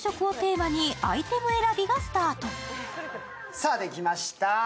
さあ、できました。